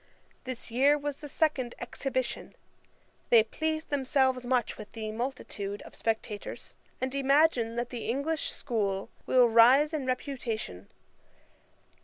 This year was the second Exhibition. They please themselves much with the multitude of spectators, and imagine that the English School will rise in reputation.